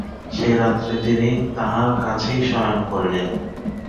সে রাত্রে তিনি তাহার কাছেই শয়ন করিলেন।